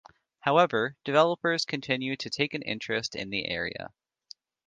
However, developers continue to take an interest in the area.